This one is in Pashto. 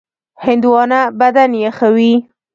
هندوانه بدن یخوي.